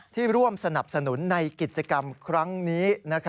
ร่วมสนับสนุนในกิจกรรมครั้งนี้